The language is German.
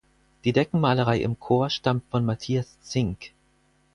Die Deckenmalerei im Chor stammt von Matthias Zink.